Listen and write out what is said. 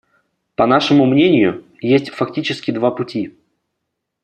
По нашему мнению, есть фактически два пути.